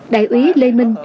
đại úy lê minh